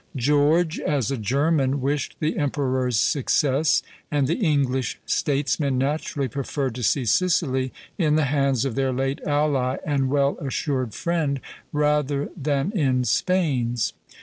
George, as a German, wished the emperor's success; and the English statesmen naturally preferred to see Sicily in the hands of their late ally and well assured friend rather than in Spain's.